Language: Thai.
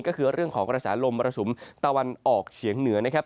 ก็คือเรื่องของกระแสลมมรสุมตะวันออกเฉียงเหนือนะครับ